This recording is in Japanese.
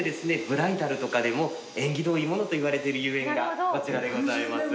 ブライダルとかでも縁起のいいものといわれてるゆえんがこちらでございます。